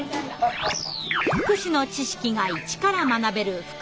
福祉の知識が一から学べる「フクチッチ」。